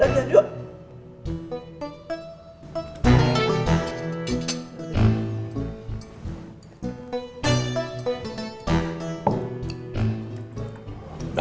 tadi kan udah ke bank